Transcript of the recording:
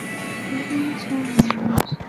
毛脉蒲桃为桃金娘科蒲桃属的植物。